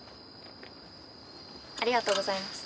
ありがとうございます。